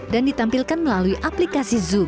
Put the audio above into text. dan ditampilkan melalui aplikasi zoom